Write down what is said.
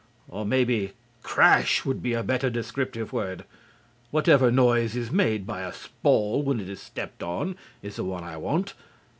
Or maybe "crash" would be a better descriptive word. Whatever noise is made by a spawl when stepped on is the one I want.